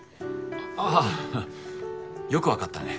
あああよくわかったね。